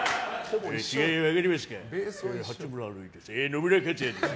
野村克也です。